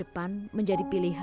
mau jadi guru